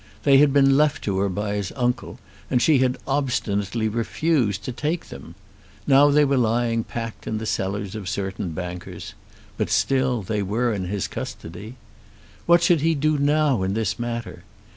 They had been left to her by his uncle, and she had obstinately refused to take them. Now they were lying packed in the cellars of certain bankers, but still they were in his custody. What should he now do in this matter?